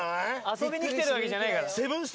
遊びに来てるわけじゃないから。